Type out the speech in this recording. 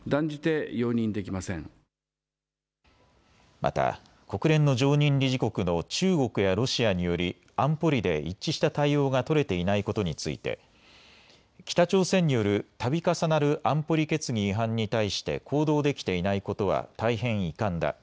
また国連の常任理事国の中国やロシアにより安保理で一致した対応が取れていないことについて北朝鮮によるたび重なる安保理決議違反に対して行動できていないことは大変遺憾だ。